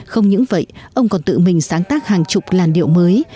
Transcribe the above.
không những vậy ông còn tự mình sáng tác hàng chục làn điệu mới